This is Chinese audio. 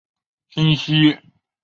清晰语言的敌人是不诚实。